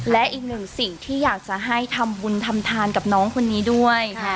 และอีกหนึ่งสิ่งที่อยากจะให้ทำบุญทำทานกับน้องคนนี้ด้วย